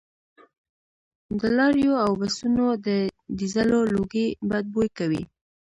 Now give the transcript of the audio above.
د لاریو او بسونو د ډیزلو لوګي بد بوی کوي